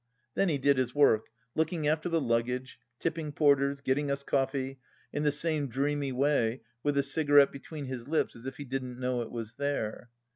Then he did his work, looking after the luggage, tipping porters, getting us coffee, in the same dreamy way, with a cigarette between his lips as if he didn't know it was there.